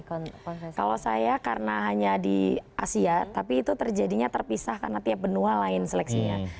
kalau saya karena hanya di asia tapi itu terjadinya terpisah karena tiap benua lain seleksinya